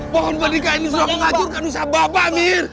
pohon berdikah ini sudah menghajurkan usaha bapak mir